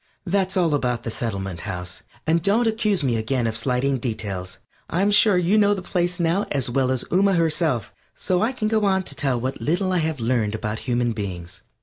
That's all about the Settlement House, and don't accuse me again of slighting details. I'm sure you know the place now as well as Ooma herself, so I can go on to tell what little I have learned about human beings.